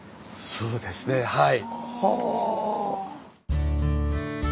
そうですねはい。